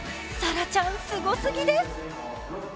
沙羅ちゃんすごすぎです！